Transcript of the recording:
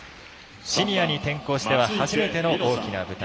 シニアに転向しては初めての大きな舞台。